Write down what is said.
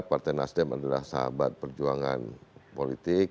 partai nasdem adalah sahabat perjuangan politik